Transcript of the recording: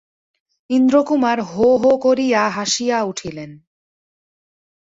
ইন্দ্রকুমার হো হো করিয়া হাসিয়া উঠিলেন।